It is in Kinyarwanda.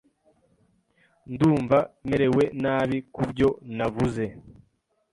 Ndumva merewe nabi kubyo navuze.